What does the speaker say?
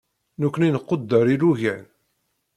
Nekkni nquder ilugan.